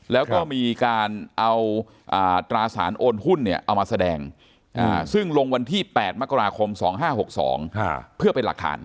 แล้วก็มีการเอาตราสารโอนหุ้นเนี่ยเอามาแสดงซึ่งลงวันที่๘มกราคม๒๕๖๒เพื่อเป็นหลักฐาน